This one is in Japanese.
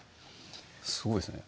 すごいですね